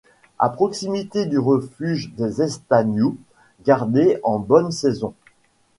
À proximité du refuge des Estagnous, gardé en bonne saison.